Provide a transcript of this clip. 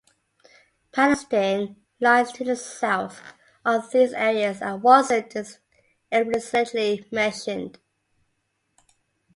Palestine lies to the south of these areas and wasn't explicitly mentioned.